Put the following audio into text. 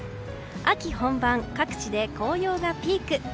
秋本番、各地で紅葉がピーク。